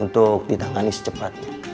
untuk ditangani secepatnya